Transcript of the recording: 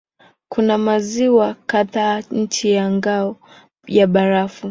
Kuna maziwa kadhaa chini ya ngao ya barafu.